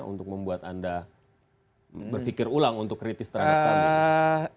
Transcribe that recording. untuk membuat anda berpikir ulang untuk kritis terhadap kami